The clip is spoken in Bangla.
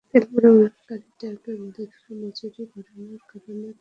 তেল পরিবহনকারী ট্যাংকার মালিকেরা মজুরি বাড়ানোর কারণে ট্যাংকার শ্রমিকেরা কর্মবিরতিতে যাবেন না।